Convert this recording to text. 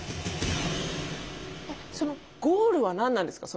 ゴールは何なんですか？